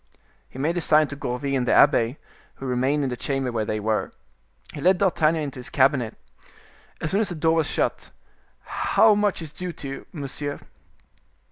He made a sign to Gourville and the abbe, who remained in the chamber where they were. He led D'Artagnan into his cabinet. As soon as the door was shut,—"how much is due to you, monsieur?"